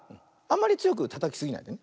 あんまりつよくたたきすぎないで。